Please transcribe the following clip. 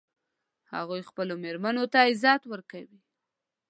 هغوی خپلو میرمنو ته عزت ورکوي